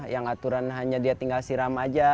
yang aturan hanya dia tinggal siram aja